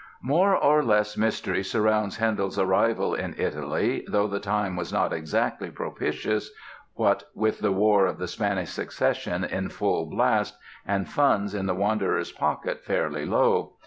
More or less mystery surrounds Handel's arrival in Italy, though the time was not exactly propitious, what with the War of the Spanish Succession in full blast and funds in the wanderer's pocket fairly low.